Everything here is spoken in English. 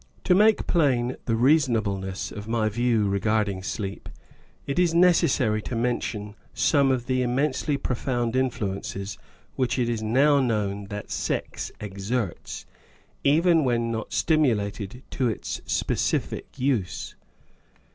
To make plain the reasonableness of my view re garding sleep, it is necessary to mention some of the immensely profound influences which it is now known that sex exerts, even when not stimulated to its specific use.